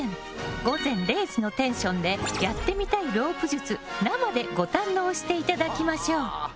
午前０時のテンションでやってみたいロープ術生でご堪能していただきましょう！